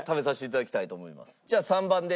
じゃあ３番で。